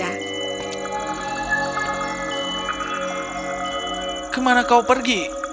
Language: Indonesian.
aireen kemana kau pergi